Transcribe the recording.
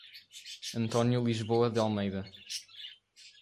Antônio Lisboa de Almeida